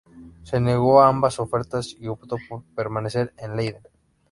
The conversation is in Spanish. Se negó a ambas ofertas y optó por permanecer en Leiden.